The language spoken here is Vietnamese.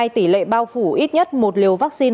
tỉ lệ bao phủ ít nhất là một mươi ba bảy triệu liều vaccine